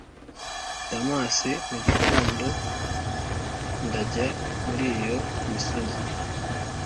damas, mugitondo ndajya muriyo misozi